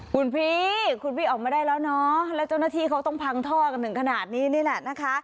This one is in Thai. คุณพี่คุณพี่ออกมาได้แล้วเนาะแล้วเจ้าหน้าที่เขาต้องพังท่อกันถึงขนาดนี้นี่แหละนะคะ